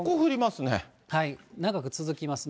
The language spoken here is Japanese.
長く続きますね。